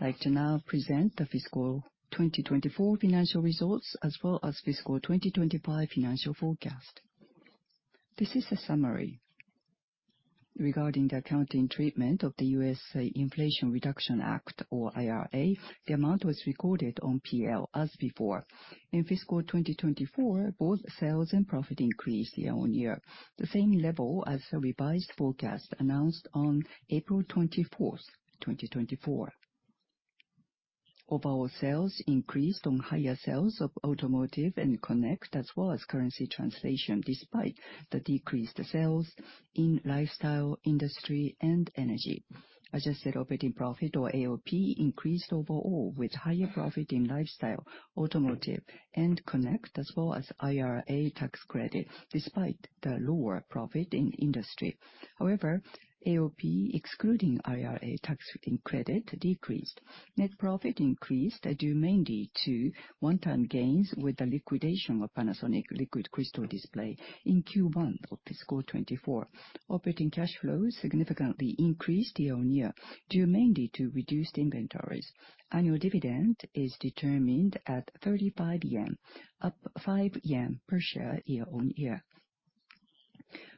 like to now present the fiscal 2024 financial results as well as fiscal 2025 financial forecast. This is a summary. Regarding the accounting treatment of the US Inflation Reduction Act, or IRA, the amount was recorded on P/L as before. In fiscal 2024, both sales and profit increased year-on-year, the same level as the revised forecast announced on April 24, 2024. Overall sales increased on higher sales of Automotive and Connect as well as currency translation despite the decreased sales in Lifestyle, Industry, and Energy. Adjusted operating profit, or AOP, increased overall with higher profit in Lifestyle, Automotive, and Connect as well as IRA tax credit despite the lower profit in Industry. However, AOP excluding IRA tax credit decreased. Net profit increased due mainly to one-time gains with the liquidation of Panasonic Liquid Crystal Display in Q1 of fiscal 2024. Operating cash flow significantly increased year-on-year due mainly to reduced inventories. Annual dividend is determined at 35 yen, up 5 yen per share year-on-year.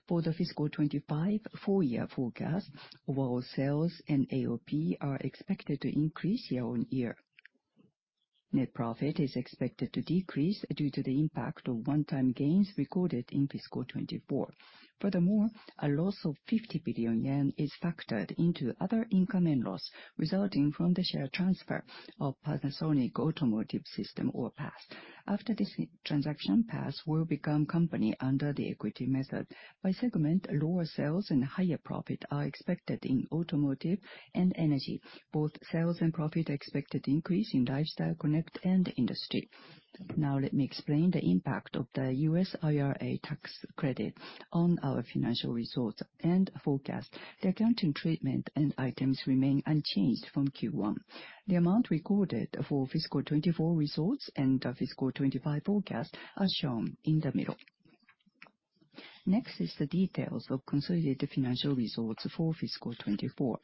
For the fiscal 2025 full-year forecast, overall sales and AOP are expected to increase year-on-year. Net profit is expected to decrease due to the impact of one-time gains recorded in fiscal 2024. Furthermore, a loss of 50 billion yen is factored into other income and loss resulting from the share transfer of Panasonic Automotive Systems, or PAS. After this transaction, PAS will become a company under the equity method. By segment, lower sales and higher profit are expected in Automotive and Energy. Both sales and profit are expected to increase in Lifestyle, Connect, and Industry. Now let me explain the impact of the U.S. IRA tax credit on our financial results and forecast. The accounting treatment and items remain unchanged from Q1. The amount recorded for fiscal 2024 results and fiscal 2025 forecast are shown in the middle. Next is the details of consolidated financial results for fiscal 2024.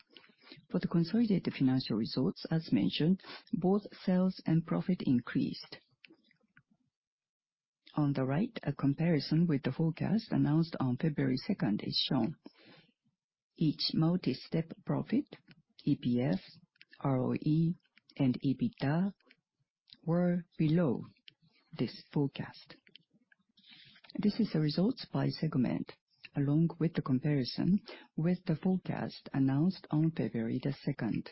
For the consolidated financial results, as mentioned, both sales and profit increased. On the right, a comparison with the forecast announced on February 2nd is shown. Each multi-step profit, EPS, ROE, and EBITDA were below this forecast. This is the results by segment along with the comparison with the forecast announced on February 2nd.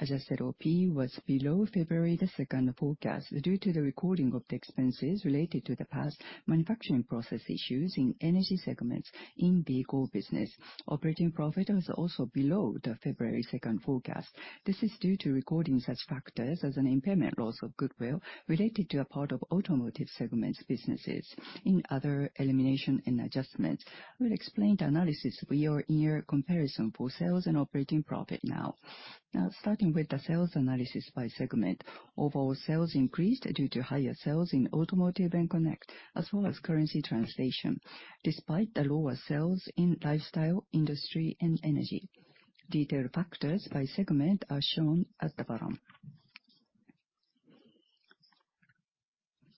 Adjusted OP was below February 2nd forecast due to the recording of the expenses related to the past manufacturing process issues in Energy segments In-vehicle business. Operating profit was also below the February 2nd forecast. This is due to recording such factors as an impairment loss of goodwill related to a part of Automotive segments businesses. In other elimination and adjustments, we'll explain the analysis of year-on-year comparison for sales and operating profit now. Now, starting with the sales analysis by segment, overall sales increased due to higher sales in Automotive and Connect as well as currency translation despite the lower sales in Lifestyle, Industry, and Energy. Detailed factors by segment are shown at the bottom.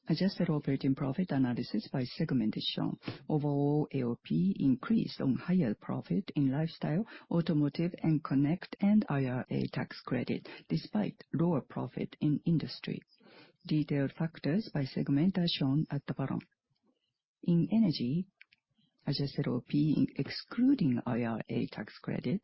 Adjusted Operating Profit analysis by segment is shown. Overall AOP increased on higher profit in Lifestyle, Automotive, and Connect and IRA tax credit despite lower profit in Industry. Detailed factors by segment are shown at the bottom. In Energy, adjusted OP excluding IRA tax credit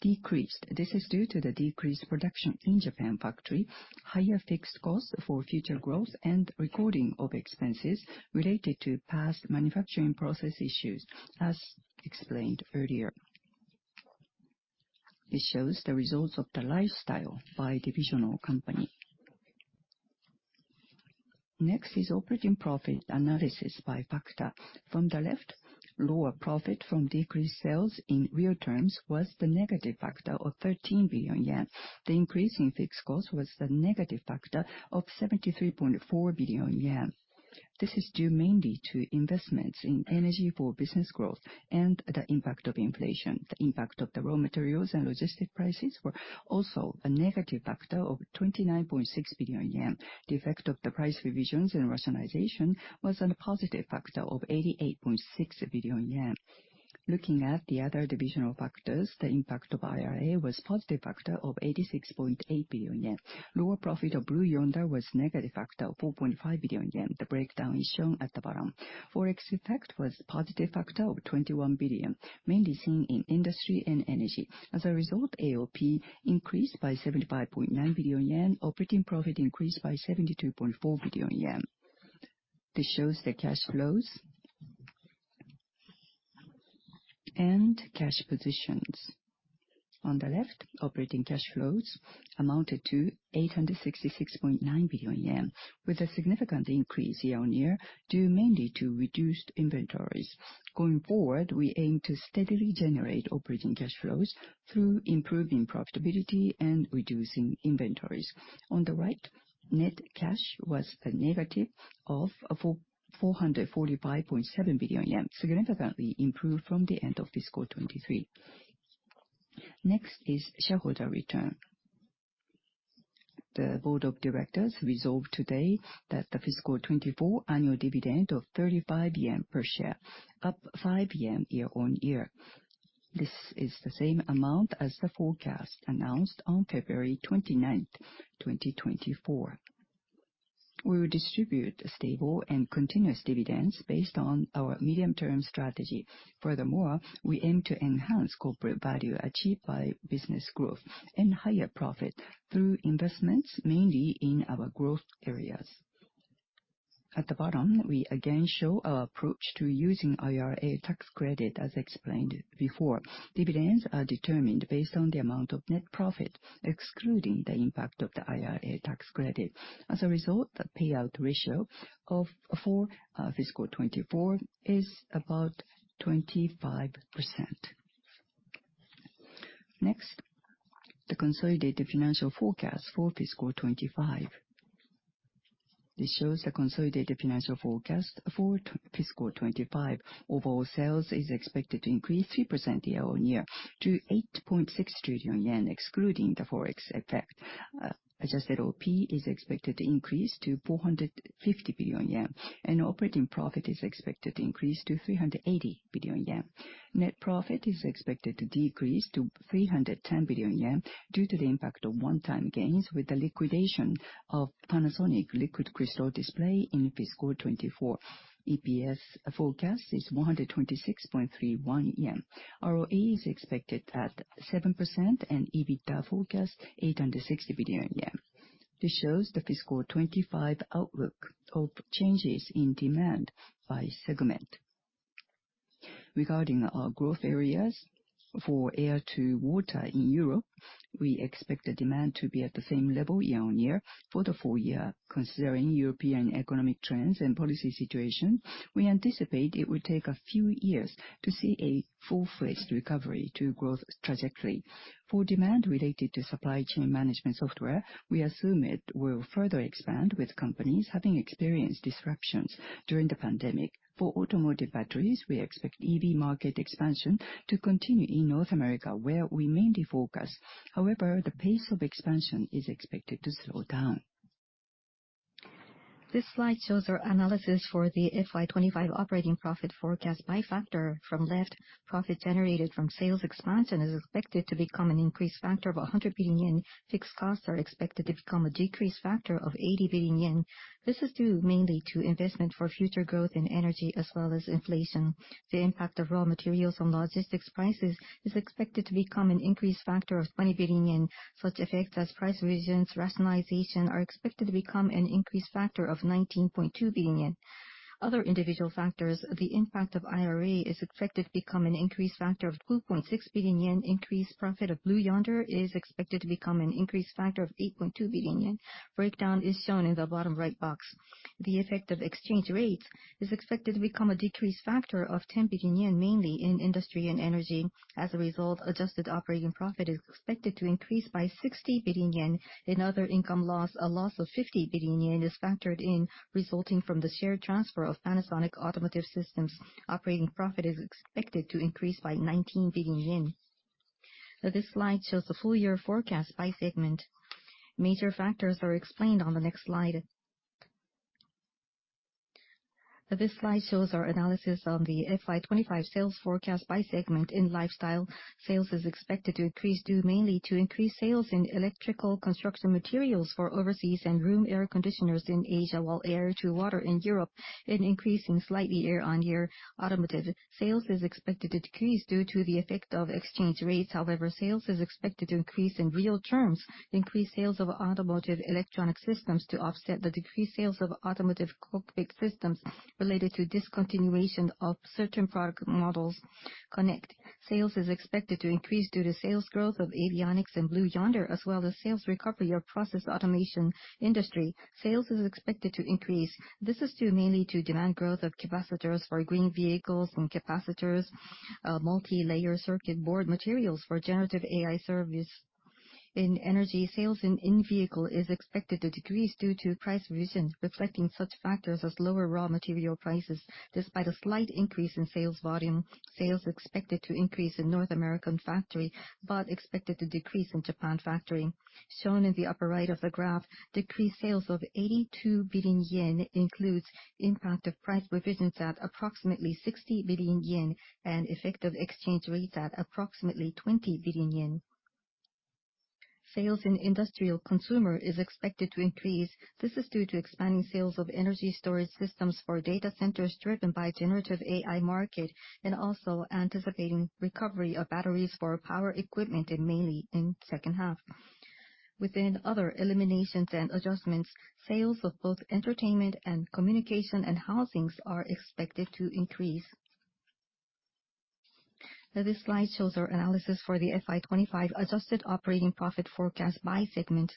decreased. This is due to the decreased production in Japan factory, higher fixed costs for future growth, and recording of expenses related to past manufacturing process issues, as explained earlier. This shows the results of the Lifestyle by divisional company. Next is operating profit analysis by factor. From the left, lower profit from decreased sales in real terms was the negative factor of 13 billion yen. The increase in fixed costs was the negative factor of 73.4 billion yen. This is due mainly to investments in Energy for business growth and the impact of inflation. The impact of the raw materials and logistic prices were also a negative factor of 29.6 billion yen. The effect of the price revisions and rationalization was a positive factor of 88.6 billion yen. Looking at the other divisional factors, the impact of IRA was a positive factor of 86.8 billion yen. Lower profit of Blue Yonder was a negative factor of 4.5 billion yen. The breakdown is shown at the bottom. Forex effect was a positive factor of 21 billion, mainly seen in Industry and Energy. As a result, AOP increased by 75.9 billion yen. Operating profit increased by 72.4 billion yen. This shows the cash flows and cash positions. On the left, operating cash flows amounted to 866.9 billion yen with a significant increase year-on-year due mainly to reduced inventories. Going forward, we aim to steadily generate operating cash flows through improving profitability and reducing inventories. On the right, net cash was a negative of 445.7 billion yen, significantly improved from the end of fiscal 2023. Next is shareholder return. The board of directors resolved today that the fiscal 2024 annual dividend of 35 yen per share, up 5 yen year-on-year. This is the same amount as the forecast announced on February 29th, 2024. We will distribute stable and continuous dividends based on our medium-term strategy. Furthermore, we aim to enhance corporate value achieved by business growth and higher profit through investments mainly in our growth areas. At the bottom, we again show our approach to using IRA tax credit as explained before. Dividends are determined based on the amount of net profit excluding the impact of the IRA tax credit. As a result, the payout ratio for fiscal 2024 is about 25%. Next, the consolidated financial forecast for fiscal 2025. This shows the consolidated financial forecast for fiscal 2025. Overall sales is expected to increase 3% year-on-year to 8.6 trillion yen excluding the forex effect. Adjusted OP is expected to increase to 450 billion yen, and operating profit is expected to increase to 380 billion yen. Net profit is expected to decrease to 310 billion yen due to the impact of one-time gains with the liquidation of Panasonic Liquid Crystal Display in fiscal 2024. EPS forecast is 126.31 yen. ROE is expected at 7% and EBITDA forecast 860 billion yen. This shows the fiscal 2025 outlook of changes in demand by segment. Regarding our growth Air-to-Water in Europe, we expect the demand to be at the same level year-on-year for the full-year. Considering European economic trends and policy situation, we anticipate it will take a few years to see a full-fledged recovery to growth trajectory. For demand related to supply chain management software, we assume it will further expand with companies having experienced disruptions during the pandemic. For Automotive batteries, we expect EV market expansion to continue in North America where we mainly focus. However, the pace of expansion is expected to slow down. This slide shows our analysis for the FY 2025 operating profit forecast by factor. From left, profit generated from sales expansion is expected to become an increased factor of 100 billion yen. Fixed costs are expected to become a decreased factor of 80 billion yen. This is due mainly to investment for future growth in Energy as well as inflation. The impact of raw materials on logistics prices is expected to become an increased factor of 20 billion yen. Such effects as price revisions, rationalization are expected to become an increased factor of 19.2 billion yen. Other individual factors, the impact of IRA is expected to become an increased factor of 2.6 billion yen. Increased profit of Blue Yonder is expected to become an increased factor of 8.2 billion yen. Breakdown is shown in the bottom right box. The effect of exchange rates is expected to become a decreased factor of 10 billion yen, mainly in Industry and Energy. As a result, adjusted operating profit is expected to increase by 60 billion yen. In other income loss, a loss of 50 billion yen is factored in resulting from the share transfer of Panasonic Automotive Systems. Operating profit is expected to increase by 19 billion yen. This slide shows the full-year forecast by segment. Major factors are explained on the next slide. This slide shows our analysis on the FY 2025 sales forecast by segment. In Lifestyle, sales is expected to increase due mainly to increased sales in electrical construction materials for overseas and room air conditioners in Air-to-Water in Europe and increasing slightly year on year. Automotive sales is expected to decrease due to the effect of exchange rates. However, sales is expected to increase in real terms. Increased sales of Automotive electronic systems to offset the decreased sales of Automotive cockpit systems related to discontinuation of certain product models. Connect sales is expected to increase due to sales growth of Avionics and Blue Yonder as well as sales recovery of Process Automation Industry. Sales is expected to increase. This is due mainly to demand growth of capacitors for green vehicles and capacitors, multi-layer circuit board materials for generative AI service. In Energy, sales In-vehicle is expected to decrease due to price revision reflecting such factors as lower raw material prices despite a slight increase in sales volume. Sales expected to increase in North American factory but expected to decrease in Japan factory. Shown in the upper right of the graph, decreased sales of 82 billion yen includes impact of price revisions at approximately 60 billion yen and effect of exchange rates at approximately 20 billion yen. Sales in Industrial Consumer is expected to increase. This is due to expanding sales of Energy storage systems for data centers driven by generative AI market and also anticipating recovery of batteries for power equipment and mainly in second half. Within other eliminations and adjustments, sales of both Entertainment & Communication and housings are expected to increase. This slide shows our analysis for the FY 2025 adjusted operating profit forecast by segment.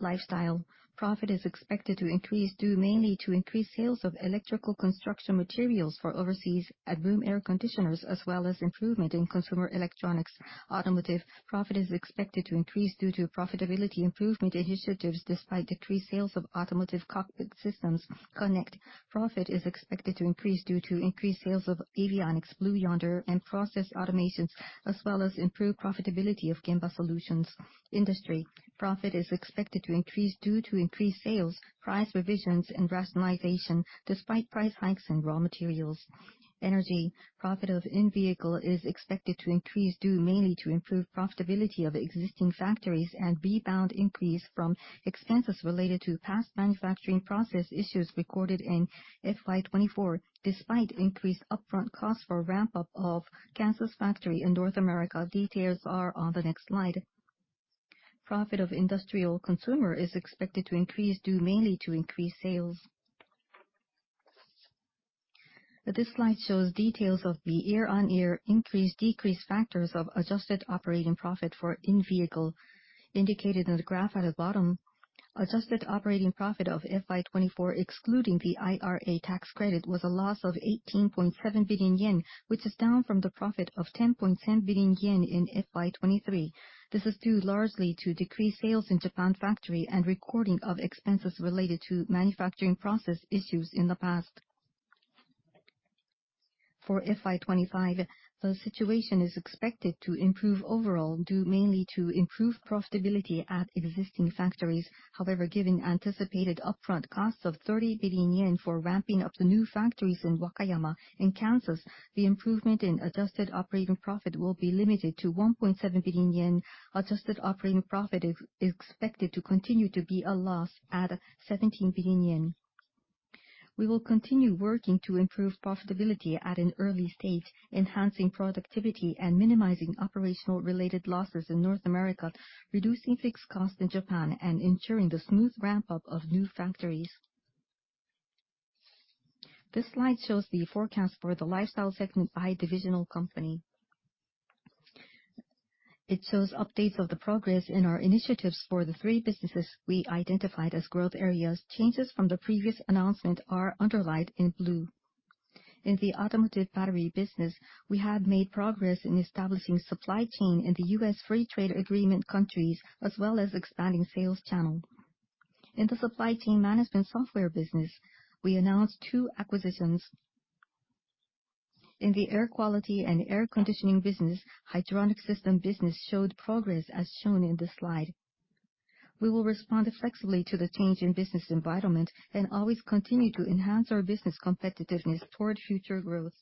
Lifestyle profit is expected to increase due mainly to increased sales of electrical construction materials for overseas and room air conditioners as well as improvement in consumer electronics. Automotive profit is expected to increase due to profitability improvement initiatives despite decreased sales of Automotive cockpit systems. Connect profit is expected to increase due to increased sales of Avionics, Blue Yonder, and Process Automations as well as improved profitability of Gemba Solutions. Industry profit is expected to increase due to increased sales, price revisions, and rationalization despite price hikes in raw materials. Energy profit of In-vehicle is expected to increase due mainly to improved profitability of existing factories and rebound increase from expenses related to past manufacturing process issues recorded in FY 2024 despite increased upfront costs for ramp-up of Kansas factory in North America. Details are on the next slide. Profit of Industrial Consumer is expected to increase due mainly to increased sales. This slide shows details of the year-on-year increase-decrease factors of adjusted operating profit for In-vehicle. Indicated in the graph at the bottom, adjusted operating profit of FY 2024 excluding the IRA tax credit was a loss of 18.7 billion yen, which is down from the profit of 10.7 billion yen in FY 2023. This is due largely to decreased sales in Japan factory and recording of expenses related to manufacturing process issues in the past. For FY 2025, the situation is expected to improve overall due mainly to improved profitability at existing factories. However, given anticipated upfront costs of 30 billion yen for ramping up the new factories in Wakayama and Kansas, the improvement in adjusted operating profit will be limited to 1.7 billion yen. Adjusted operating profit is expected to continue to be a loss at 17 billion yen. We will continue working to improve profitability at an early stage, enhancing productivity and minimizing operational-related losses in North America, reducing fixed costs in Japan, and ensuring the smooth ramp-up of new factories. This slide shows the forecast for the Lifestyle segment by divisional company. It shows updates of the progress in our initiatives for the three businesses we identified as growth areas. Changes from the previous announcement are underlined in blue. In the Automotive battery business, we have made progress in establishing supply chain in the U.S. free trade agreement countries as well as expanding sales channel. In the supply chain management software business, we announced two acquisitions. In the air quality and air conditioning business, hydraulic system business showed progress as shown in this slide. We will respond flexibly to the change in business environment and always continue to enhance our business competitiveness toward future growth.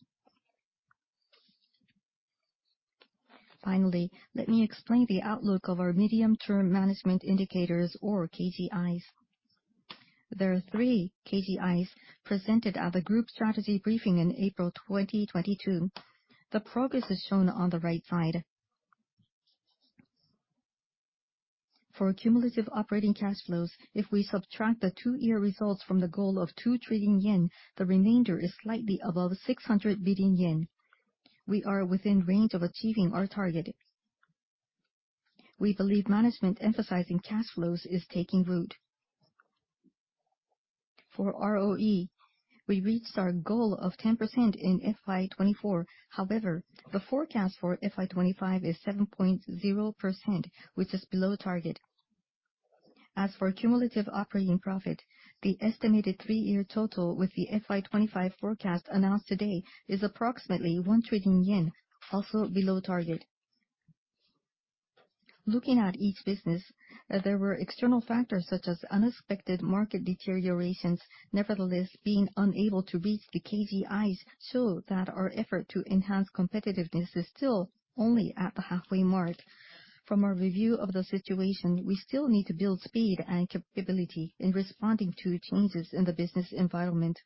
Finally, let me explain the outlook of our medium-term management indicators or KGIs. There are three KGIs presented at the group strategy briefing in April 2022. The progress is shown on the right side. For cumulative operating cash flows, if we subtract the two-year results from the goal of 2 trillion yen, the remainder is slightly above 600 billion yen. We are within range of achieving our target. We believe management emphasizing cash flows is taking root. For ROE, we reached our goal of 10% in FY 2024. However, the forecast for FY 2025 is 7.0%, which is below target. As for cumulative operating profit, the estimated three-year total with the FY 2025 forecast announced today is approximately 1 trillion yen, also below target. Looking at each business, there were external factors such as unexpected market deteriorations. Nevertheless, being unable to reach the KGIs showed that our effort to enhance competitiveness is still only at the halfway mark. From our review of the situation, we still need to build speed and capability in responding to changes in the business environment.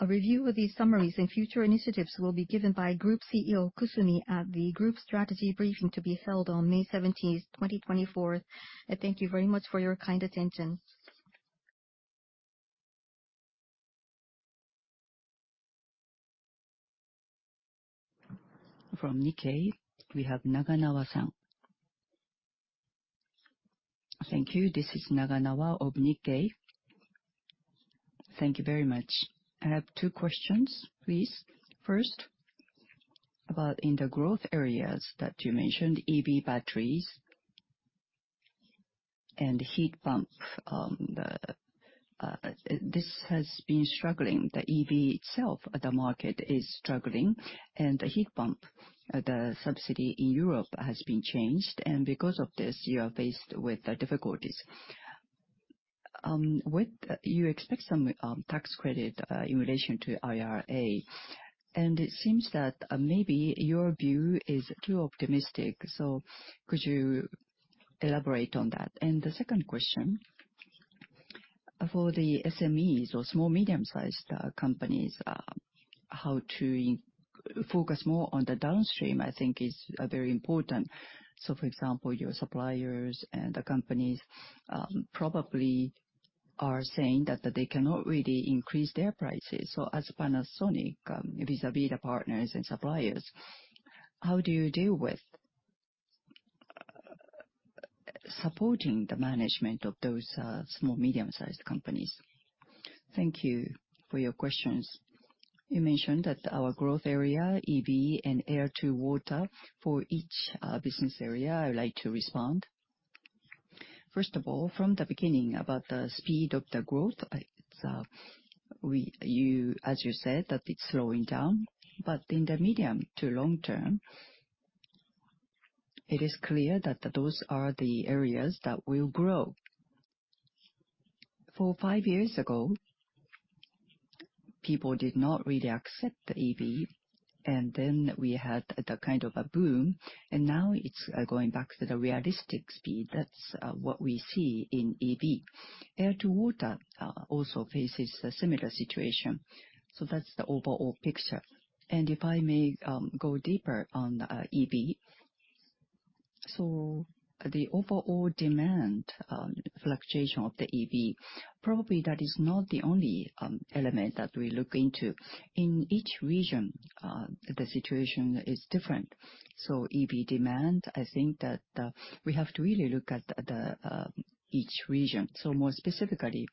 A review of these summaries and future initiatives will be given by Group CEO Kusumi at the group strategy briefing to be held on May 17th, 2024. Thank you very much for your kind attention. From Nikkei, we have Naganawa-san. Thank you. This is Naganawa of Nikkei. Thank you very much. I have two questions, please. First, about in the growth areas that you mentioned, EV batteries and heat pump. This has been struggling. The EV itself, the market is struggling, and the heat pump, the subsidy in Europe has been changed. And because of this, you are faced with difficulties. You expect some tax credit in relation to IRA, and it seems that maybe your view is too optimistic. So could you elaborate on that? And the second question, for the SMEs or small-medium-sized companies, how to focus more on the downstream, I think, is very important. So, for example, your suppliers and the companies probably are saying that they cannot really increase their prices. So as Panasonic vis-à-vis the partners and suppliers, how do you deal with supporting the management of those small-medium-sized companies? Thank you for your questions. You mentioned that our growth area, Air-to-Water for each business area. I would like to respond. First of all, from the beginning about the speed of the growth, as you said, that it's slowing down. But in the medium to long term, it is clear that those are the areas that will grow. Four or five years ago, people did not really accept the EV, and then we had the kind of a boom. And now it's going back to the realistic speed. That's what we see Air-to-Water also faces a similar situation. So that's the overall picture. And if I may go deeper on EV, so the overall demand fluctuation of the EV, probably that is not the only element that we look into. In each region, the situation is different. So EV demand, I think that we have to really look at each region. So more specifically,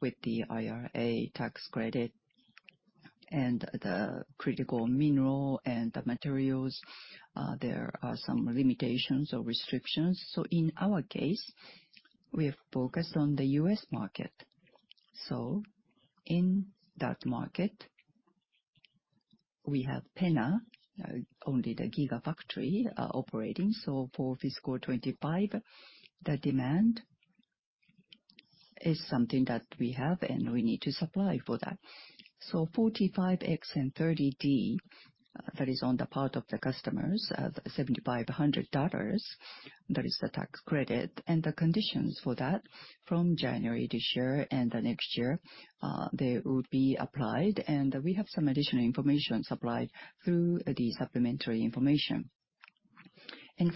with the IRA tax credit and the critical mineral and the materials, there are some limitations or restrictions. So in our case, we have focused on the US market. So in that market, we have PENA, only the Gigafactory operating. So for fiscal 2025, the demand is something that we have, and we need to supply for that. So 45X and 30D, that is on the part of the customers, $7,500, that is the tax credit. And the conditions for that, from January this year and the next year, they would be applied. We have some additional information supplied through the supplementary information.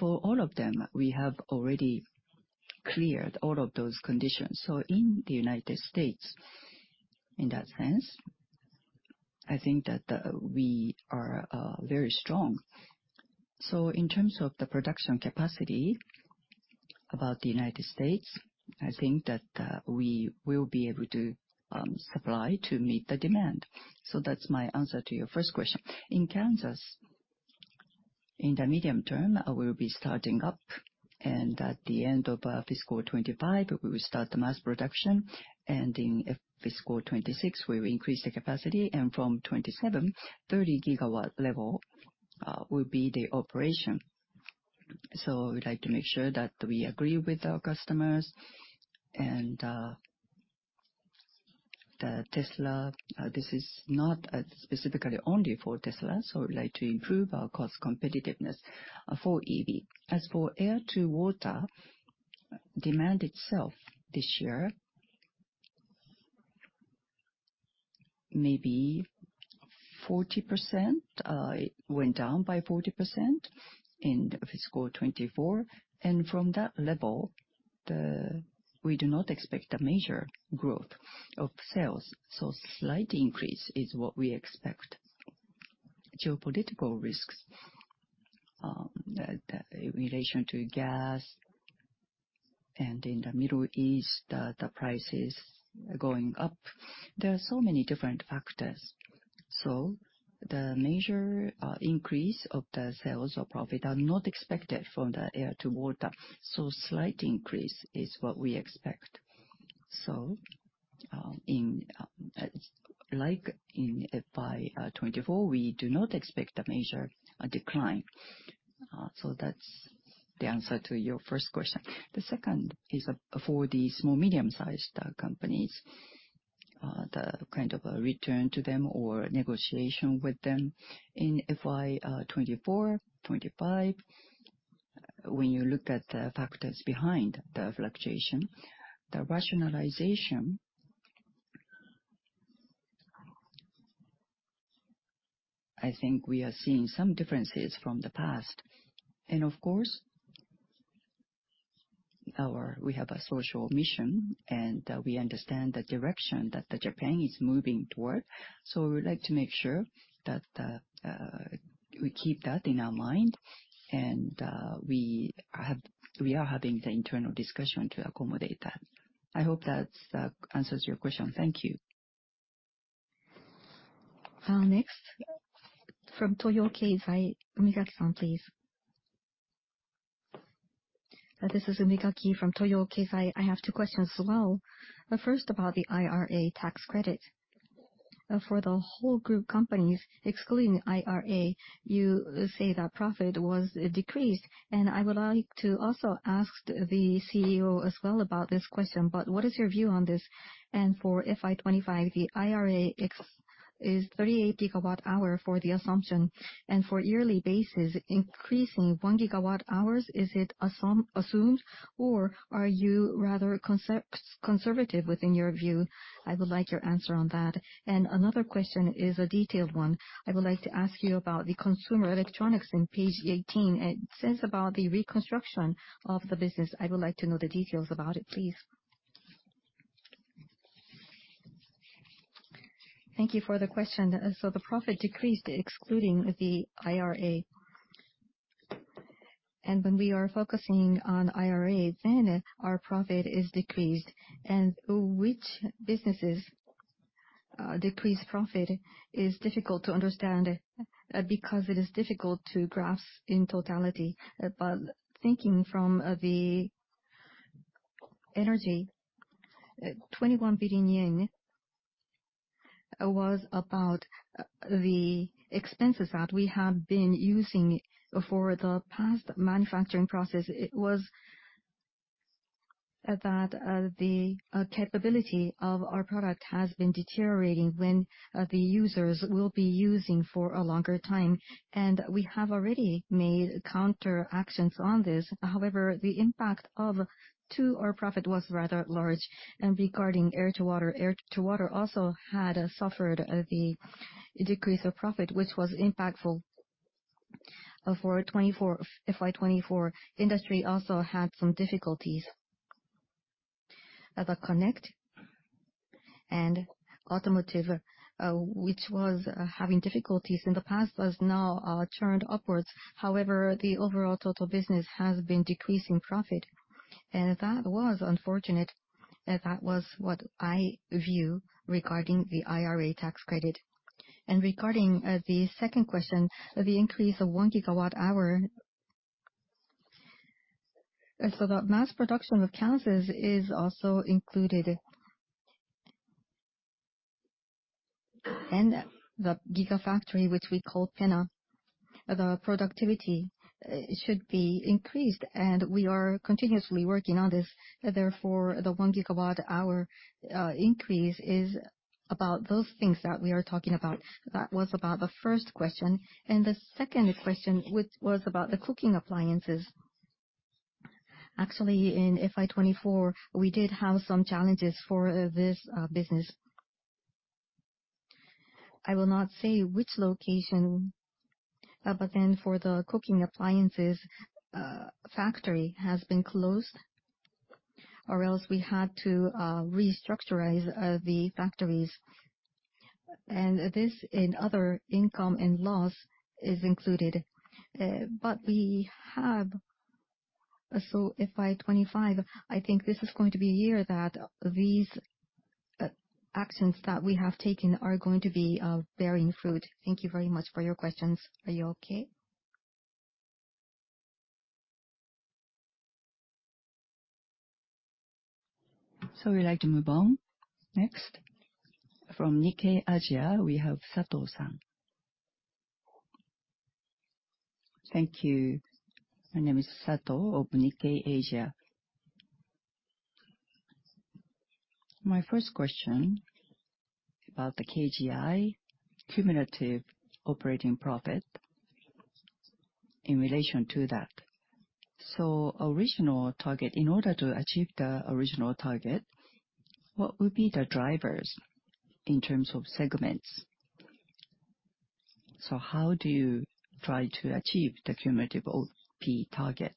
For all of them, we have already cleared all of those conditions. So in the United States, in that sense, I think that we are very strong. In terms of the production capacity about the United States, I think that we will be able to supply to meet the demand. That's my answer to your first question. In Kansas, in the medium term, we will be starting up. At the end of fiscal 2025, we will start the mass production. In fiscal 2026, we will increase the capacity. From 2027, 30 gigawatt level will be the operation. So we'd like to make sure that we agree with our customers. The Tesla, this is not specifically only for Tesla. So we'd like to improve our cost competitiveness for EV. Air-to-Water, demand itself this year, maybe 40%, it went down by 40% in fiscal 2024. From that level, we do not expect a major growth of sales. Slight increase is what we expect. Geopolitical risks in relation to gas and in the Middle East, the prices going up, there are so many different factors. The major increase of the sales or profit are not expected Air-to-Water. slight increase is what we expect. Like in FY 2024, we do not expect a major decline. That's the answer to your first question. The second is for the small-medium-sized companies, the kind of a return to them or negotiation with them. In FY 2024, 2025, when you look at the factors behind the fluctuation, the rationalization, I think we are seeing some differences from the past. Of course, we have a social mission, and we understand the direction that Japan is moving toward. We would like to make sure that we keep that in our mind, and we are having the internal discussion to accommodate that. I hope that answers your question. Thank you. Next, from Toyo Keizai, Umigaki-san, please. This is Umigaki from Toyo Keizai. I have two questions as well. First, about the IRA tax credit. For the whole group companies, excluding IRA, you say that profit was decreased. And I would like to also ask the CEO as well about this question. But what is your view on this? And for FY 2025, the IRA is 38 GWh for the assumption. And for yearly basis, increasing 1 GWh, is it assumed? Or are you rather conservative within your view? I would like your answer on that. And another question is a detailed one. I would like to ask you about the consumer electronics in page 18. It says about the reconstruction of the business. I would like to know the details about it, please. Thank you for the question. So the profit decreased, excluding the IRA. When we are focusing on IRA, then our profit is decreased. Which businesses decrease profit is difficult to understand because it is difficult to graph in totality. But thinking from the Energy, JPY 21 billion was about the expenses that we have been using for the past manufacturing process. It was that the capability of our product has been deteriorating when the users will be using for a longer time. We have already made counteractions on this. However, the impact of to our profit was rather Air-to-Water also had suffered the decrease of profit, which was impactful. For FY 2024, Industry also had some difficulties. The Connect and Automotive, which was having difficulties in the past, has now turned upwards. However, the overall total business has been decreasing profit. That was unfortunate. That was what I view regarding the IRA tax credit. Regarding the second question, the increase of 1 GWh, so the mass production of Kansas is also included. The Gigafactory, which we call PENA, the productivity should be increased. We are continuously working on this. Therefore, the 1 GWh increase is about those things that we are talking about. That was about the first question. The second question was about the cooking appliances. Actually, in FY 2024, we did have some challenges for this business. I will not say which location, but then for the cooking appliances, factory has been closed, or else we had to restructure the factories. This in other income and loss is included. But we have so FY 2025, I think this is going to be a year that these actions that we have taken are going to be bearing fruit. Thank you very much for your questions. Are you okay? So we'd like to move on. Next, from Nikkei Asia, we have Sato-san. Thank you. My name is Sato of Nikkei Asia. My first question about the KGI, cumulative operating profit, in relation to that. So in order to achieve the original target, what would be the drivers in terms of segments? So how do you try to achieve the cumulative OP target?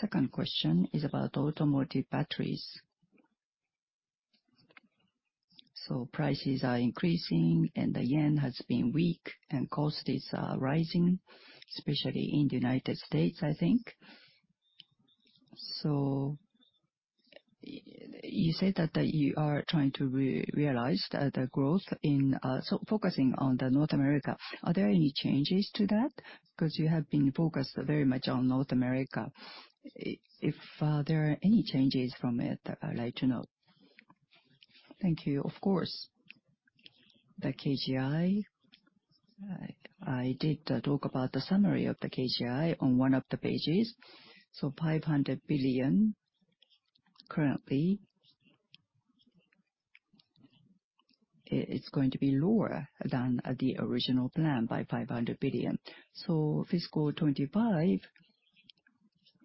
Second question is about Automotive batteries. So prices are increasing, and the yen has been weak, and costs are rising, especially in the United States, I think. So you said that you are trying to realize the growth in so focusing on North America. Are there any changes to that? Because you have been focused very much on North America. If there are any changes from it, I'd like to know. Thank you. Of course, the KGI. I did talk about the summary of the KGI on one of the pages. So 500 billion currently, it's going to be lower than the original plan by 500 billion. So fiscal 2025,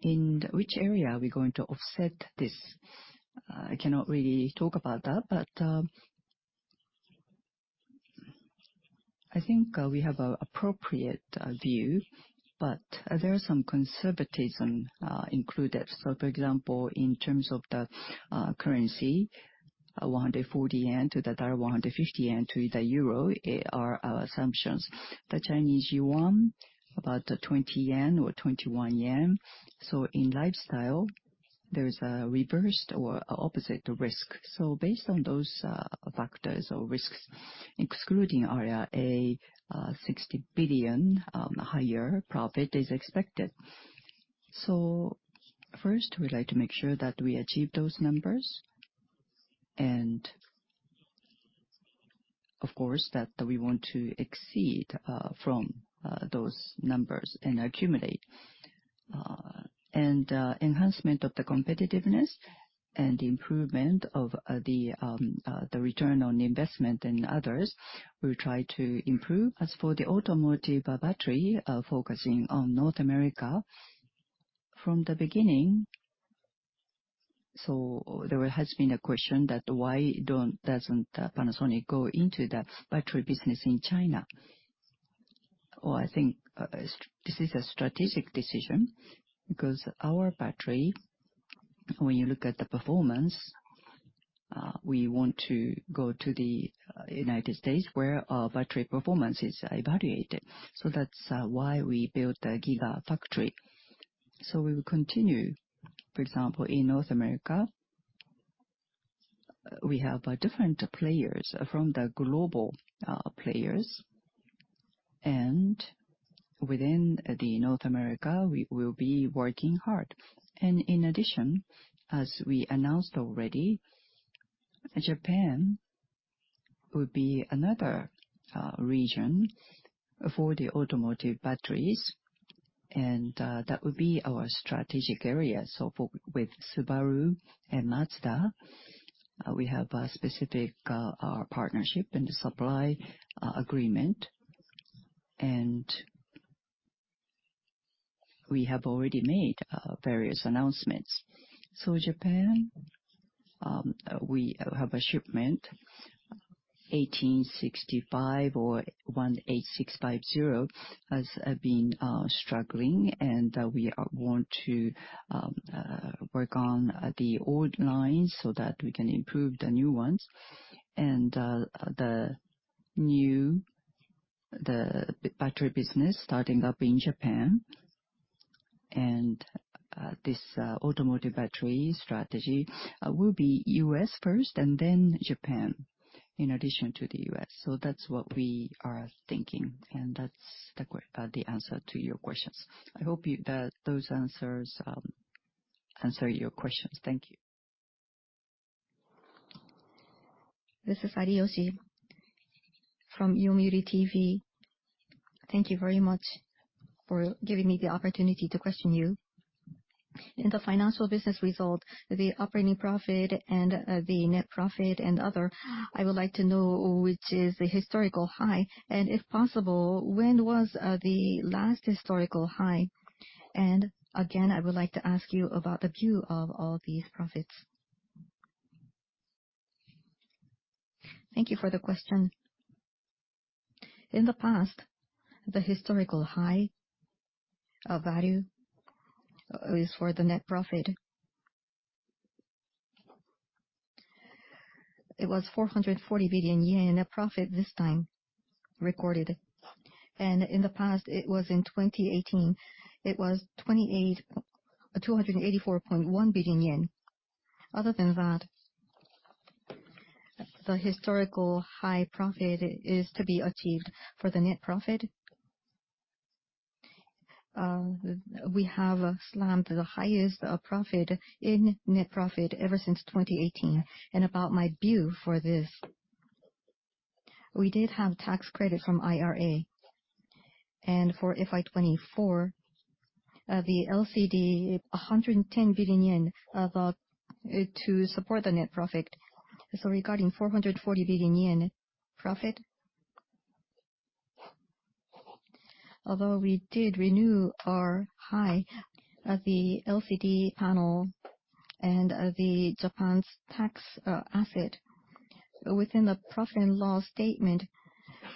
in which area are we going to offset this? I cannot really talk about that, but I think we have an appropriate view. But there are some conservatism included. So, for example, in terms of the currency, 140 yen to the dollar, 150 yen to the euro, they are our assumptions. The Chinese yuan, about 20 yen or 21 yen. So in Lifestyle, there is a reversed or opposite risk. So based on those factors or risks, excluding IRA, 60 billion higher profit is expected. So first, we'd like to make sure that we achieve those numbers. And of course, that we want to exceed from those numbers and accumulate. Enhancement of the competitiveness and the improvement of the return on investment and others, we'll try to improve. As for the Automotive battery, focusing on North America, from the beginning, so there has been a question that why doesn't Panasonic go into the battery business in China? Or I think this is a strategic decision because our battery, when you look at the performance, we want to go to the United States where our battery performance is evaluated. So that's why we built the Gigafactory. So we will continue. For example, in North America, we have different players from the global players. And within North America, we will be working hard. And in addition, as we announced already, Japan would be another region for the Automotive batteries. And that would be our strategic area. So with Subaru and Mazda, we have a specific partnership and supply agreement. We have already made various announcements. So, in Japan, we have a shipment, 18650, has been struggling. We want to work on the old lines so that we can improve the new ones. The new battery business starting up in Japan and this Automotive battery strategy will be U.S. first and then Japan in addition to the U.S. So that's what we are thinking. That's the answer to your questions. I hope that those answers answer your questions. Thank you. This is Ariyoshi from Yomiuri TV. Thank you very much for giving me the opportunity to question you. In the financial business result, the operating profit and the net profit and other, I would like to know which is the historical high. If possible, when was the last historical high? And again, I would like to ask you about the view of all these profits. Thank you for the question. In the past, the historical high value is for the net profit. It was 440 billion yen net profit this time recorded. And in the past, it was in 2018, it was 284.1 billion yen. Other than that, the historical high profit is to be achieved for the net profit. We have achieved the highest profit in net profit ever since 2018. And about my view for this, we did have tax credit from IRA. For FY 2024, the LCD, 110 billion yen, to support the net profit. So regarding 440 billion yen profit, although we did renew our high, the LCD panel and Japan's tax asset, within the profit and loss statement,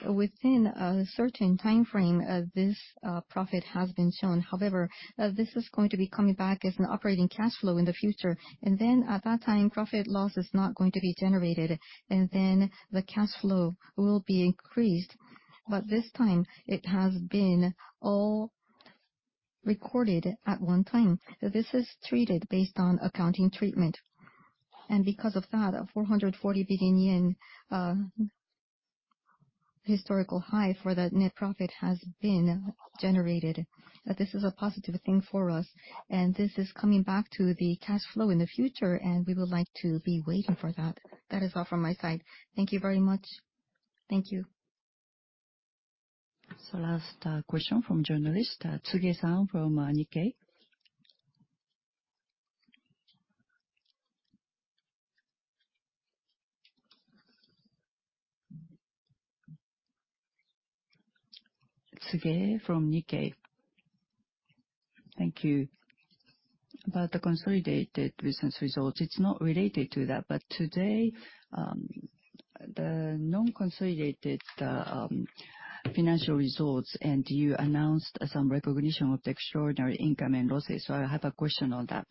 within a certain time frame, this profit has been shown. However, this is going to be coming back as an operating cash flow in the future. And then at that time, profit loss is not going to be generated. And then the cash flow will be increased. But this time, it has been all recorded at one time. This is treated based on accounting treatment. And because of that, a 440 billion yen historical high for that net profit has been generated. This is a positive thing for us. And this is coming back to the cash flow in the future. And we would like to be waiting for that. That is all from my side. Thank you very much. Thank you. So last question from journalist, Tsuge-san from Nikkei. Tsuge from Nikkei. Thank you. About the consolidated business results, it's not related to that. But today, the non-consolidated financial results, and you announced some recognition of the extraordinary income and losses. So I have a question on that.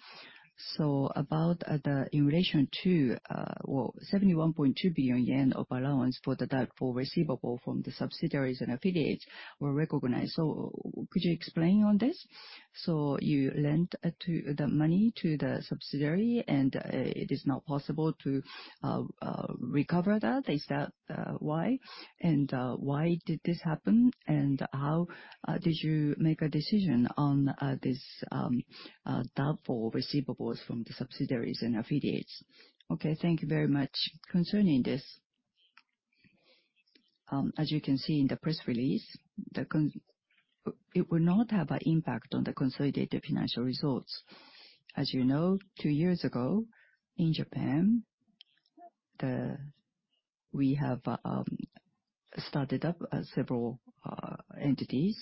So about the inflation too, well, 71.2 billion yen of allowance for the debt for receivable from the subsidiaries and affiliates were recognized. So could you explain on this? So you lent the money to the subsidiary, and it is now possible to recover that. Is that why? And why did this happen? And how did you make a decision on this debt for receivables from the subsidiaries and affiliates? Okay. Thank you very much concerning this. As you can see in the press release, it will not have an impact on the consolidated financial results. As you know, two years ago in Japan, we have started up several entities.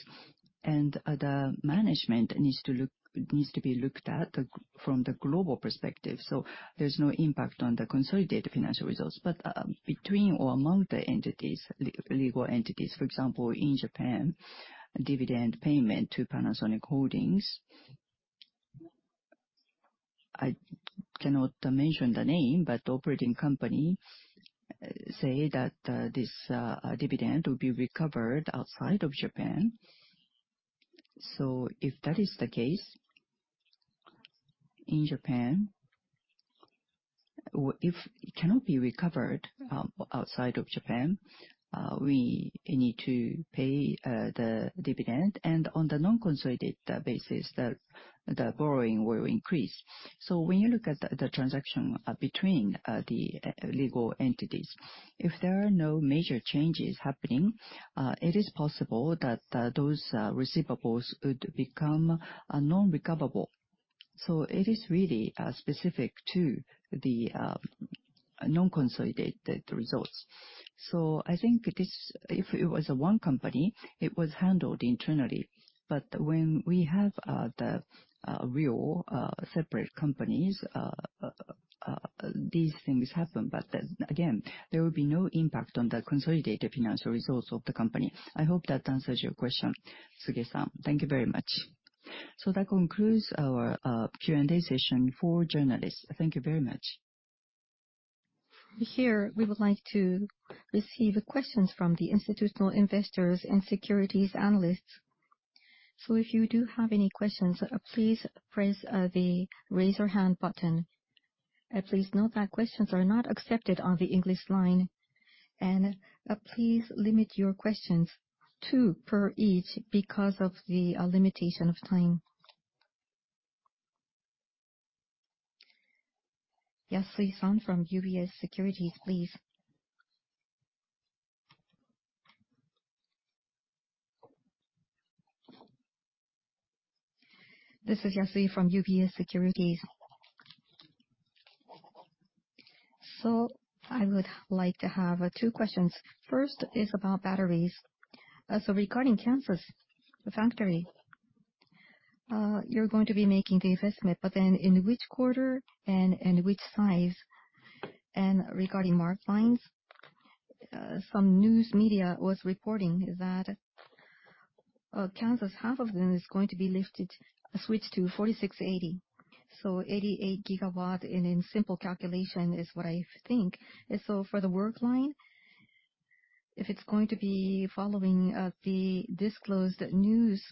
The management needs to be looked at from the global perspective. There's no impact on the consolidated financial results. Between or among the legal entities, for example, in Japan, dividend payment to Panasonic Holdings, I cannot mention the name, but the operating company say that this dividend will be recovered outside of Japan. If that is the case in Japan, it cannot be recovered outside of Japan. We need to pay the dividend. On the non-consolidated basis, the borrowing will increase. When you look at the transaction between the legal entities, if there are no major changes happening, it is possible that those receivables would become non-recoverable. It is really specific to the non-consolidated results. I think if it was one company, it was handled internally. When we have the real separate companies, these things happen. But again, there will be no impact on the consolidated financial results of the company. I hope that answers your question, Tsuge-san. Thank you very much. So that concludes our Q&A session for journalists. Thank you very much. Here, we would like to receive questions from the institutional investors and securities analysts. So if you do have any questions, please press the raise your hand button. Please note that questions are not accepted on the English line. Please limit your questions to per each because of the limitation of time. Yasui-san from UBS Securities, please. This is Yasui from UBS Securities. So I would like to have two questions. First is about batteries. So regarding Kansas factory, you're going to be making the investment, but then in which quarter and in which size? And regarding MarkLines, some news media was reporting that Kansas, half of them is going to be switched to 4680. So 88 GWh, and in simple calculation, is what I think. So for the work line, if it's going to be following the disclosed news,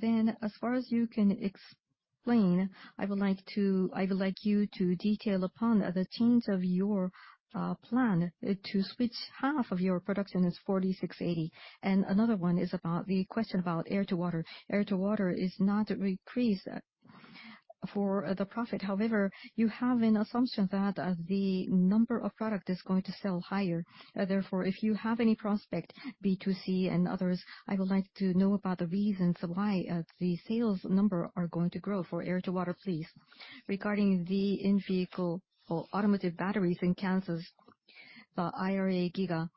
then as far as you can explain, I would like you to detail upon the change of your plan to switch half of your production as 4680. And another one is about the Air-to-Water is not increased for the profit. However, you have an assumption that the number of product is going to sell higher. Therefore, if you have any prospect, B2C and others, I would like to know about the reasons why the sales number are going to for Air-to-Water, please. Regarding the In-vehicle or Automotive batteries in Kansas, the IRA giga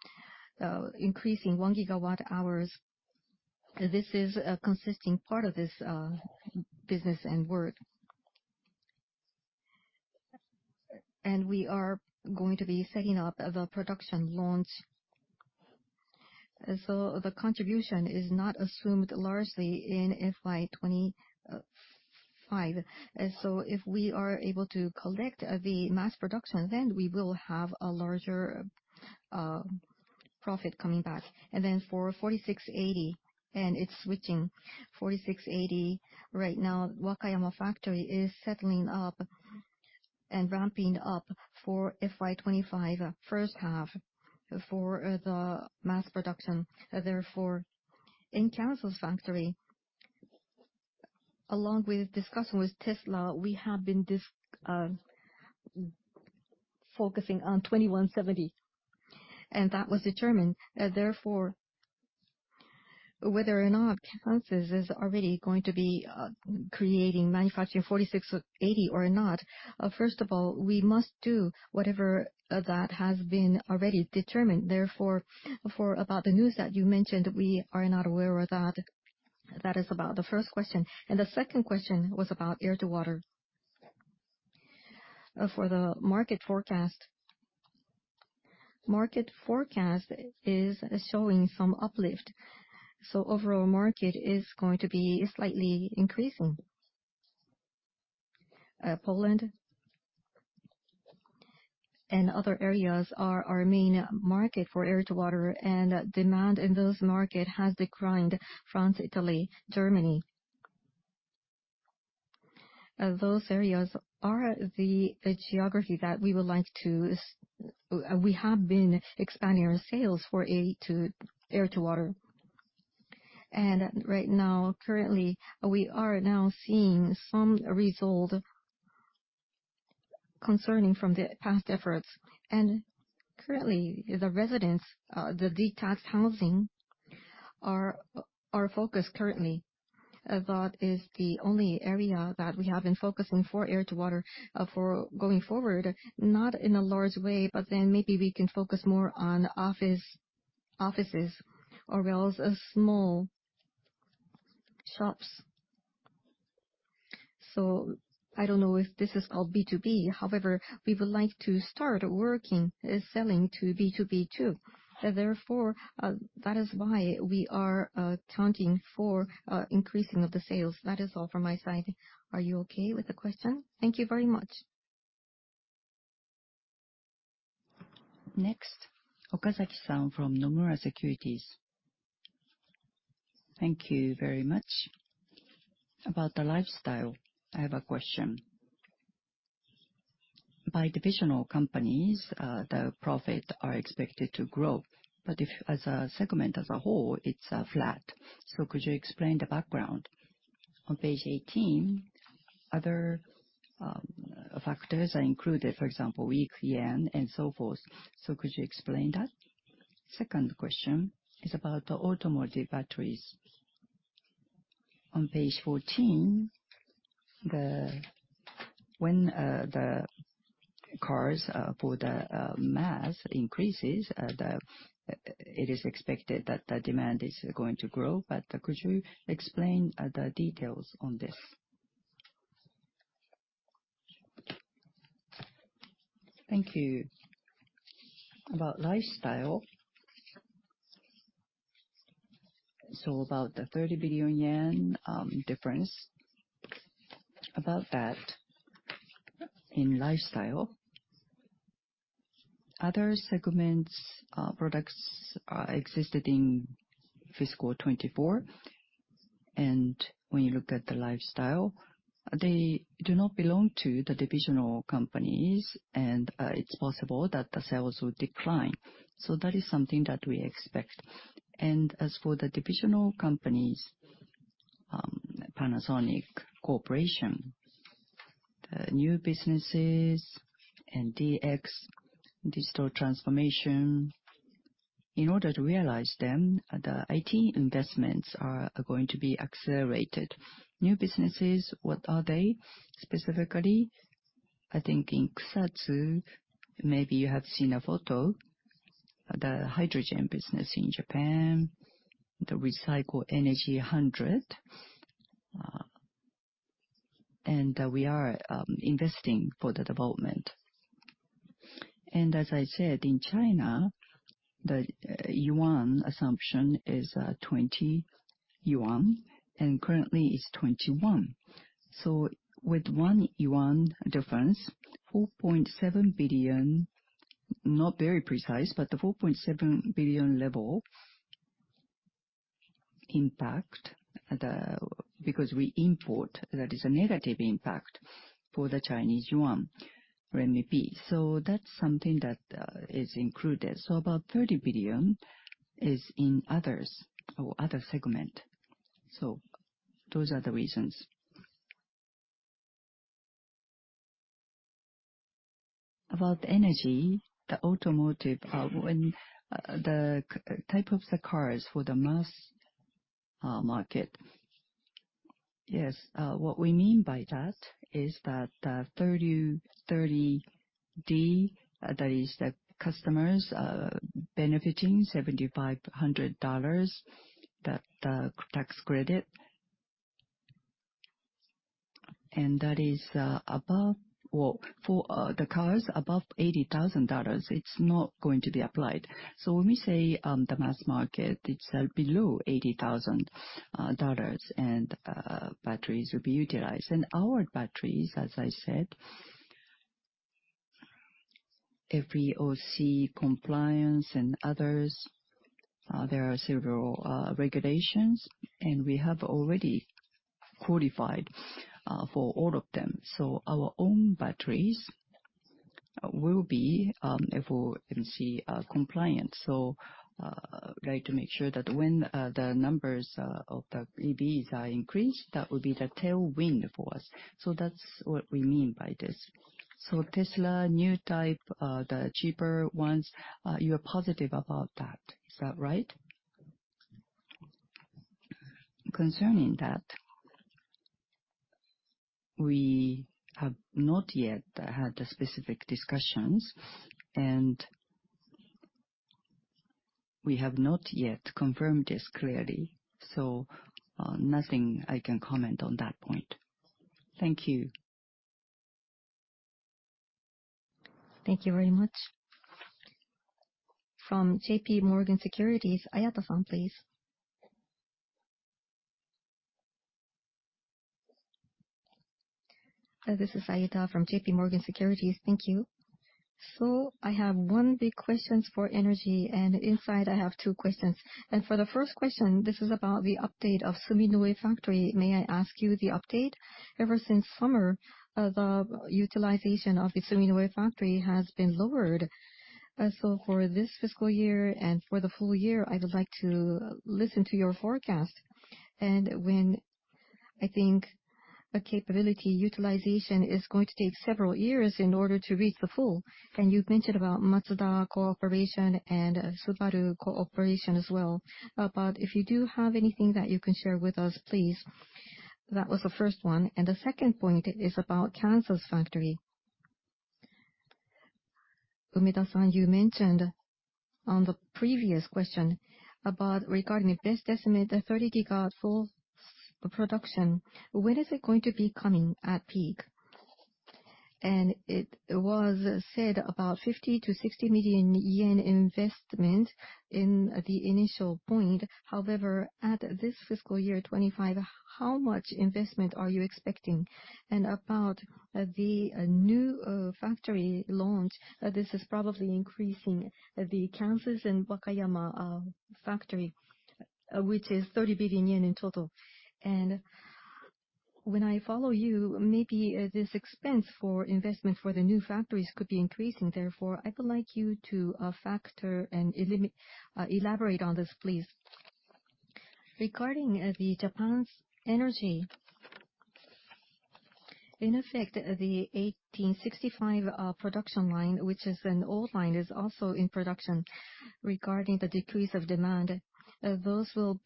increasing 1 gigawatt-hours, this is a consistent part of this business and work. And we are going to be setting up the production launch. So the contribution is not assumed largely in FY 2025. So if we are able to collect the mass production, then we will have a larger profit coming back. And then for 4680 and its switching, 4680 right now, Wakayama factory is setting up and ramping up for FY 2025 first half for the mass production. Therefore, in Kansas factory, along with discussion with Tesla, we have been focusing on 2170. And that was determined. Therefore, whether or not Kansas is already going to be creating manufacturing 4680 or not, first of all, we must do whatever that has been already determined. Therefore, for about the news that you mentioned, we are not aware of that. That is about the first question. And the second question Air-to-Water. for the market forecast, market forecast is showing some uplift. So overall market is going to be slightly increasing. Poland and other areas are our main Air-to-Water. demand in those markets has declined: France, Italy, Germany. Those areas are the geography that we have been expanding our Air-to-Water. right now, currently, we are now seeing some result concerning from the past efforts. Currently, the residents, the detached housing are our focus currently. That is the only area that we have been Air-to-Water going forward, not in a large way. But then maybe we can focus more on offices or else small shops. So I don't know if this is called B2B. However, we would like to start working, selling to B2B too. Therefore, that is why we are counting for increasing of the sales. That is all from my side. Are you okay with the question? Thank you very much. Next, Okazaki-san from Nomura Securities. Thank you very much. About the Lifestyle, I have a question. By divisional companies, the profits are expected to grow. But as a segment as a whole, it's flat. So could you explain the background? On page 18, other factors are included, for example, weak yen and so forth. So could you explain that? Second question is about the Automotive batteries. On page 14, when the cars for the mass increases, it is expected that the demand is going to grow. But could you explain the details on this? Thank you. About Lifestyle. So about the 30 billion yen difference, about that in Lifestyle. Other segments' products existed in fiscal 2024. When you look at the Lifestyle, they do not belong to the divisional companies. It's possible that the sales will decline. So that is something that we expect. As for the divisional companies, Panasonic Corporation, the new businesses and DX, digital transformation, in order to realize them, the IT investments are going to be accelerated. New businesses, what are they specifically? I think in Kusatsu, maybe you have seen a photo, the hydrogen business in Japan, the Recycle Energy 100. And we are investing for the development. And as I said, in China, the yuan assumption is 20 yuan. And currently, it's 21. So with 1 yuan difference, 4.7 billion, not very precise, but the 4.7 billion level impact because we import, that is a negative impact for the Chinese yuan, renminbi. So that's something that is included. So about 30 billion is in others or other segment. So those are the reasons. About Energy, the Automotive, the type of the cars for the mass market. Yes. What we mean by that is that Section 30D, that is the customers benefiting $7,500, that tax credit. That is above for the cars above $80,000, it's not going to be applied. So when we say the mass market, it's below $80,000, and batteries will be utilized. And our batteries, as I said, IRA compliance and others, there are several regulations. And we have already qualified for all of them. So our own batteries will be IRA compliant. So I'd like to make sure that when the numbers of the EVs are increased, that will be the tailwind for us. So that's what we mean by this. So Tesla, new type, the cheaper ones, you are positive about that. Is that right? Concerning that, we have not yet had the specific discussions. And we have not yet confirmed this clearly. So nothing I can comment on that point. Thank you. Thank you very much. From JP Morgan Securities, Ayada-san, please. This is Ayada from J.P. Morgan Securities. Thank you. So I have one big question for Energy. And inside, I have two questions. And for the first question, this is about the update of Suminoe factory. May I ask you the update? Ever since summer, the utilization of the Suminoe factory has been lowered. So for this fiscal year and for the full year, I would like to listen to your forecast. And when I think capacity utilization is going to take several years in order to reach the full. And you've mentioned about Mazda Corporation and Subaru Corporation as well. But if you do have anything that you can share with us, please. That was the first one. And the second point is about Kansas factory. Umeda-san, you mentioned on the previous question regarding the best estimate, the 30 GWh full production, when is it going to be coming at peak? And it was said about 50 million-60 million yen investment in the initial point. However, at this fiscal year 2025, how much investment are you expecting? And about the new factory launch, this is probably increasing the Kansas and Wakayama factory, which is 30 billion yen in total. And when I follow you, maybe this expense for investment for the new factories could be increasing. Therefore, I would like you to factor and elaborate on this, please. Regarding Japan's Energy, in effect, the 18650 production line, which is an old line, is also in production. Regarding the decrease of demand, those will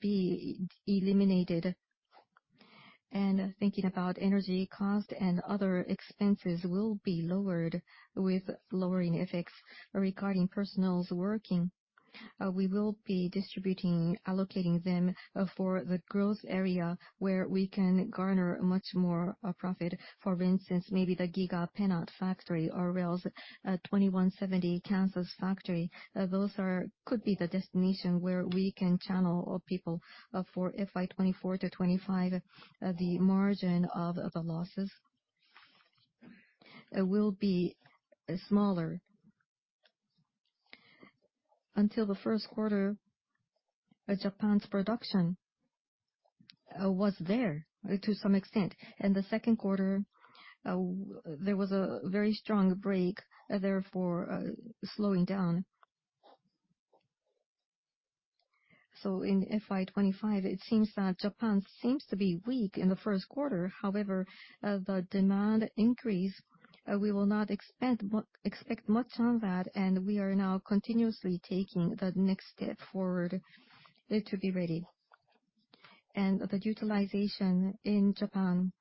be eliminated. And thinking about Energy, cost, and other expenses will be lowered with lowering effects. Regarding personnel's working, we will be distributing, allocating them for the growth area where we can garner much more profit. For instance, maybe the Gigafactory Nevada factory or else 2170 Kansas factory, those could be the destination where we can channel people for FY 2024 to 2025. The margin of the losses will be smaller. Until the first quarter, Japan's production was there to some extent. And the second quarter, there was a very strong break, therefore slowing down. So in FY 2025, it seems that Japan seems to be weak in the first quarter. However, the demand increase, we will not expect much on that. And we are now continuously taking the next step forward to be ready. And the utilization in Japan,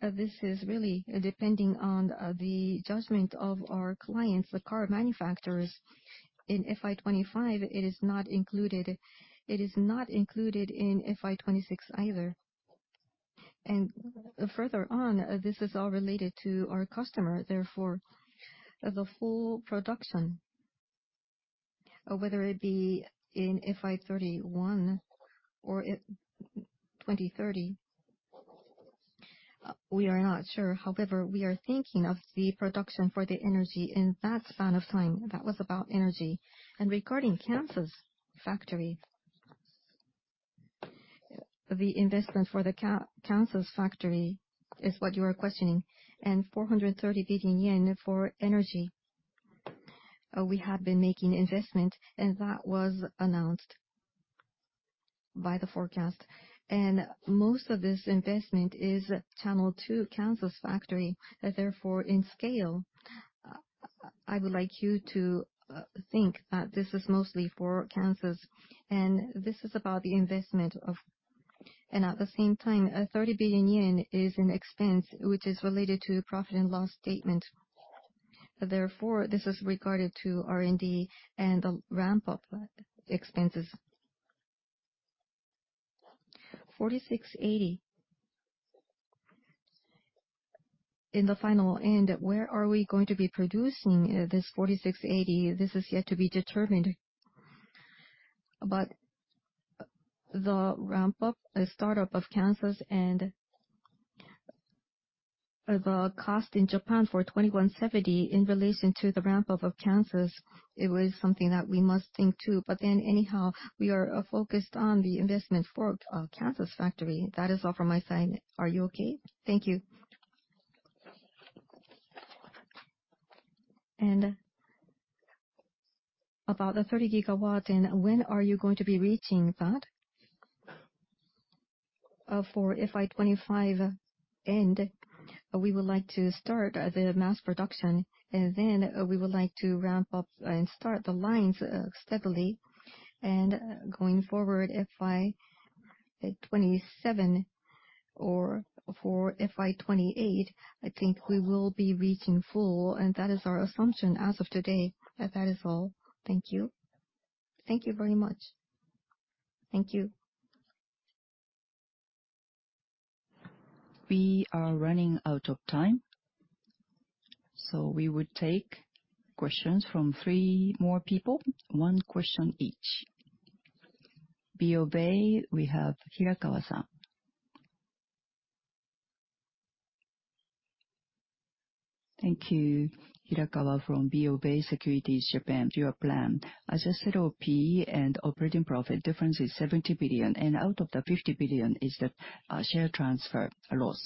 this is really depending on the judgment of our clients, the car manufacturers. In FY 2025, it is not included. It is not included in FY 2026 either. Further on, this is all related to our customer. Therefore, the full production, whether it be in FY 2031 or 2030, we are not sure. However, we are thinking of the production for the Energy in that span of time. That was about Energy. Regarding the Kansas factory, the investment for the Kansas factory is what you are questioning. 430 billion yen for Energy, we have been making investment. That was announced by the forecast. Most of this investment is channeled to Kansas factory. Therefore, in scale, I would like you to think that this is mostly for Kansas. This is about the investment of. At the same time, 30 billion yen is an expense, which is related to profit and loss statement. Therefore, this is regarded to R&D and the ramp-up expenses. 4680. In the final end, where are we going to be producing this 4680? This is yet to be determined. But the ramp-up, startup of Kansas and the cost in Japan for 2170 in relation to the ramp-up of Kansas, it was something that we must think too. But then anyhow, we are focused on the investment for Kansas factory. That is all from my side. Are you okay? Thank you. And about the 30 GW, and when are you going to be reaching that? For FY 2025 end, we would like to start the mass production. And then we would like to ramp up and start the lines steadily. And going forward, FY 2027 or for FY 2028, I think we will be reaching full. And that is our assumption as of today. That is all. Thank you. Thank you very much. Thank you. We are running out of time. So we would take questions from three more people, one question each. BofA, we have Hirakawa-san. Thank you, Hirakawa from BofA Securities, Japan. Your plan, adjusted OP and operating profit, difference is 70 billion. And out of the 50 billion is the share transfer loss.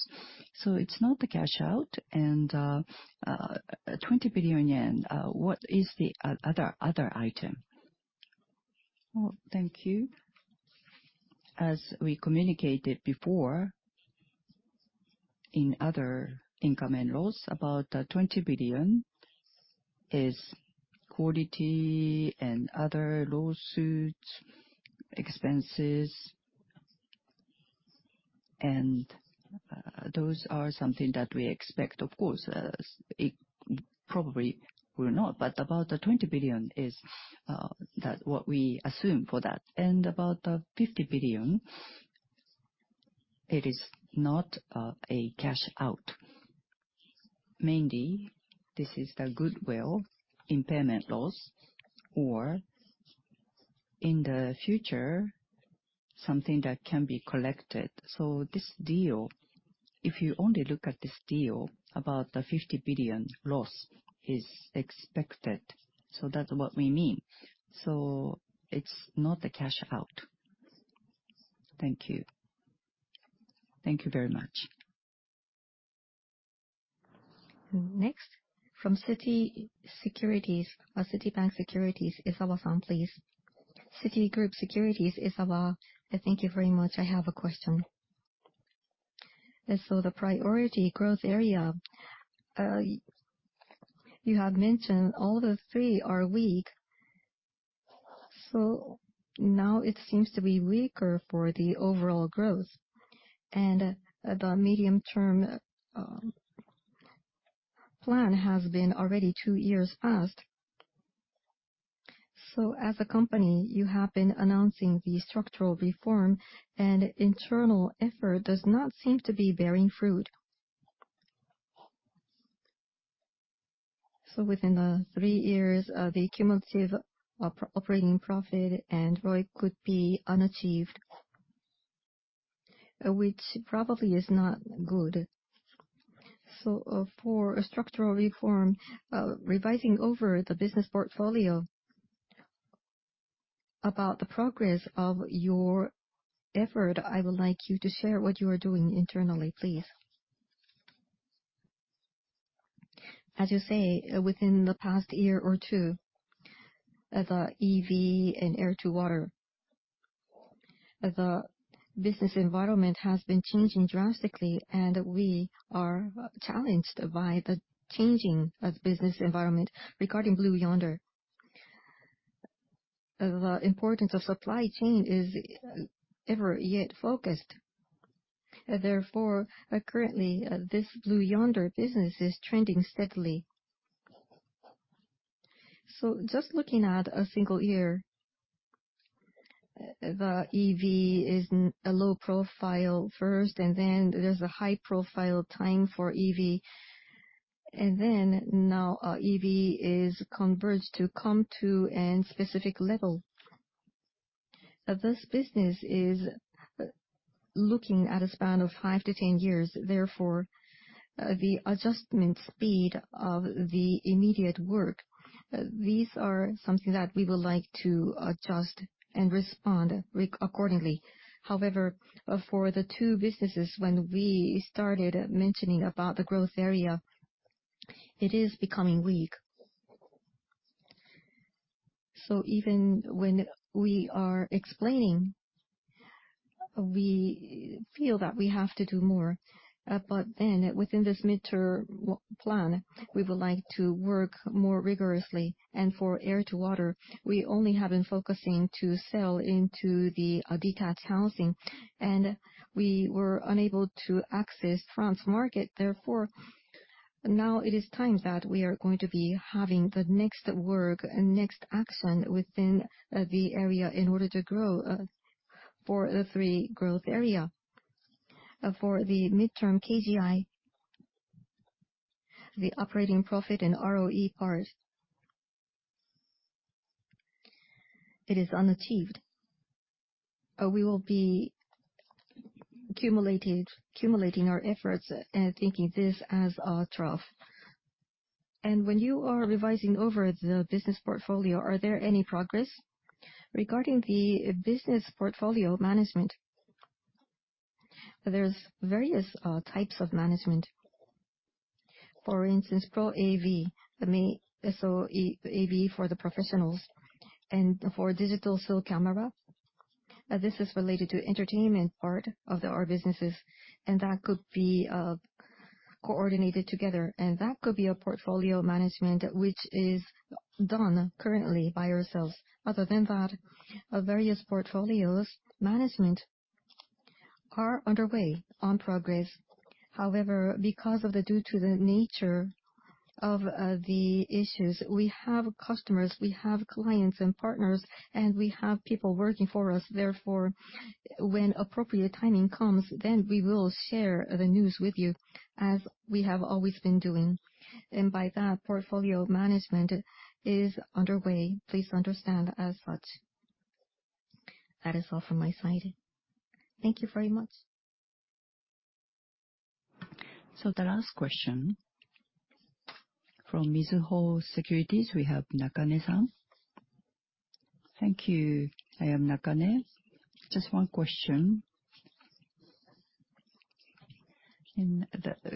So it's not the cash out. And 20 billion yen, what is the other item? Thank you. As we communicated before in other income and loss, about the 20 billion is quality and other lawsuits, expenses. And those are something that we expect. Of course, it probably will not. But about the 20 billion is what we assume for that. And about the 50 billion, it is not a cash out. Mainly, this is the goodwill impairment loss or in the future, something that can be collected. So this deal, if you only look at this deal, about the 50 billion loss is expected. So that's what we mean. So it's not the cash out. Thank you. Thank you very much. Next, from Citibank Securities, Ezawa-san, please. Citigroup Securities, Ezawa, thank you very much. I have a question. So the priority growth area, you have mentioned all the three are weak. So now it seems to be weaker for the overall growth. And the medium-term plan has been already two years past. So as a company, you have been announcing the structural reform. And internal effort does not seem to be bearing fruit. So within the three years, the cumulative operating profit and ROI could be unachieved, which probably is not good. So for structural reform, revising over the business portfolio, about the progress of your effort, I would like you to share what you are doing internally, please. As you say, within the past year or two, the Air-to-Water, the business environment has been changing drastically. We are challenged by the changing business environment regarding Blue Yonder. The importance of supply chain is ever yet focused. Therefore, currently, this Blue Yonder business is trending steadily. Just looking at a single year, the EV is a low-profile first. And then there's a high-profile time for EV. And then now EV is converged to come to a specific level. This business is looking at a span of 5-10 years. Therefore, the adjustment speed of the immediate work, these are something that we would like to adjust and respond accordingly. However, for the two businesses, when we started mentioning about the growth area, it is becoming weak. So even when we are explaining, we feel that we have to do more. But then within this midterm plan, we would like to work more rigorously. For air-to-water, we only have been focusing to sell into the detached housing. We were unable to access France market. Therefore, now it is time that we are going to be having the next work, next action within the area in order to grow for the three growth area. For the midterm KGI, the operating profit and ROE part, it is unachieved. We will be accumulating our efforts and thinking this as a trough. When you are revising over the business portfolio, are there any progress? Regarding the business portfolio management, there's various types of management. For instance, Pro AV, so AV for the professionals, and for digital still camera, this is related to entertainment part of our businesses. That could be coordinated together. That could be a portfolio management which is done currently by ourselves. Other than that, various portfolios management are underway, on progress. However, because of the nature of the issues, we have customers, we have clients and partners, and we have people working for us. Therefore, when appropriate timing comes, then we will share the news with you as we have always been doing. And by that, portfolio management is underway. Please understand as such. That is all from my side. Thank you very much. So the last question from Mizuho Securities, we have Nakane-san. Thank you. I am Nakane. Just one question. In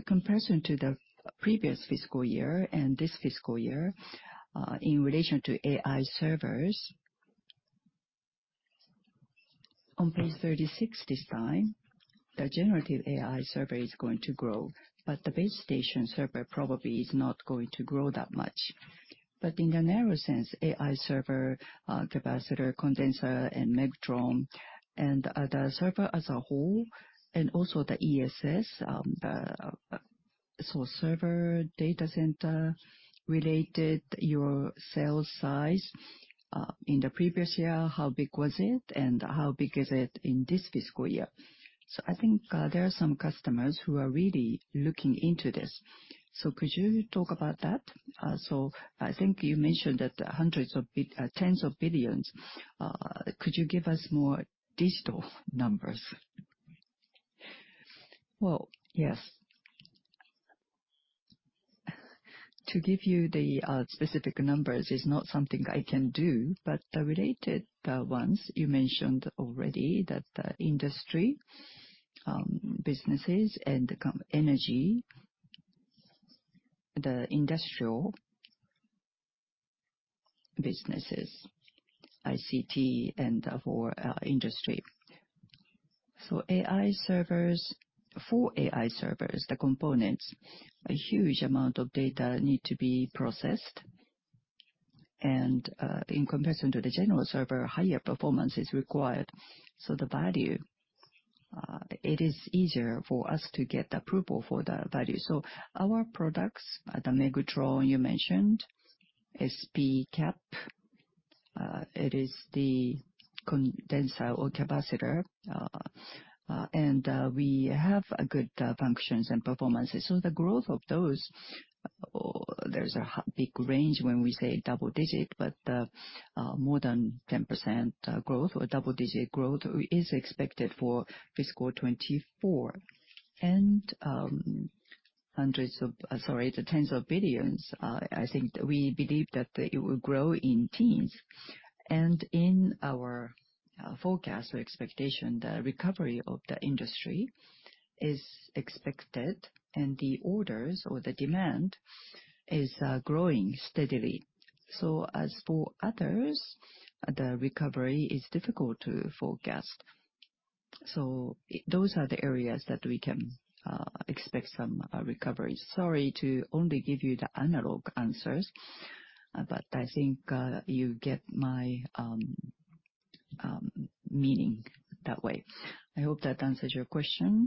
comparison to the previous fiscal year and this fiscal year in relation to AI servers, on page 36 this time, the generative AI server is going to grow. But the base station server probably is not going to grow that much. But in a narrow sense, AI server, capacitor, condenser, and MEGTRON, and the server as a whole, and also the ESS, the source server, data center-related, your sales size in the previous year, how big was it, and how big is it in this fiscal year? So I think there are some customers who are really looking into this. So could you talk about that? So I think you mentioned that tens of billions. Could you give us more digital numbers? Well, yes. To give you the specific numbers is not something I can do. But the related ones, you mentioned already that the Industry businesses and the Energy, the industrial businesses, ICT, and for Industry. So for AI servers, the components, a huge amount of data need to be processed. And in comparison to the general server, higher performance is required. So it is easier for us to get approval for the value. So our products, the MEGTRON you mentioned, SP-Cap, it is the condenser or capacitor. And we have good functions and performances. So the growth of those, there's a big range when we say double digit, but more than 10% growth or double digit growth is expected for fiscal 2024. And hundreds of sorry, the tens of billions JPY, I think we believe that it will grow in teens. In our forecast or expectation, the recovery of the Industry is expected. The orders or the demand is growing steadily. As for others, the recovery is difficult to forecast. Those are the areas that we can expect some recovery. Sorry to only give you the analog answers. I think you get my meaning that way. I hope that answers your questions.